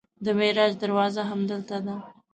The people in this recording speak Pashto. د معراج دروازه همدلته ده.